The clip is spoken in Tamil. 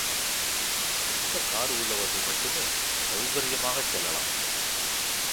சொந்தக்கார் உள்ளவர்கள் மட்டுமே சௌகர்யமாகச் செல்லலாம்.